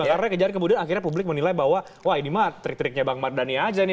karena kejar kemudian akhirnya publik menilai bahwa wah ini mah trik triknya bang mardhani aja nih